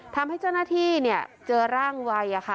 ทำให้เจ้าหน้าที่เนี่ยเจอร่างไวค่ะ